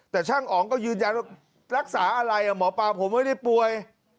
แต่ช่างอ๋องก็ยืนยันว่ารักษาอะไรหมอปลาผมไม่ได้ป่วย